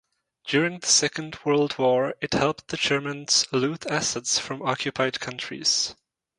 During the Second World War, it helped the Germans loot assets from occupied countries.